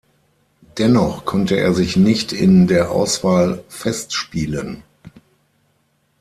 Dennoch konnte er sich nicht in der Auswahl festspielen.